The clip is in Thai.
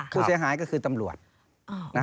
ผู้เสียหายก็คือตำรวจ